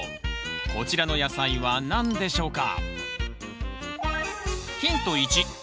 こちらの野菜は何でしょうか？